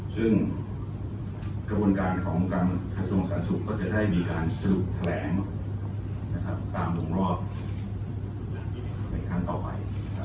ซึ่งกระบวนการของกรรมทรัพย์ทรงสารศุกร์ก็จะได้มีการสรุปแถลงตามวงรอบในขั้นต่อไป